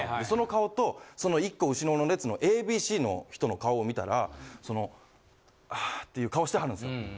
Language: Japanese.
その顔とその１個後ろの列のＡＢＣの人の顔を見たらあっていう顔してはるんですよ。